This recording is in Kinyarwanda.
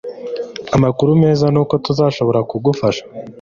Amakuru meza nuko tuzashobora kugufasha